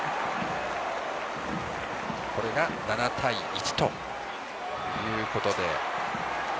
これが７対１ということです。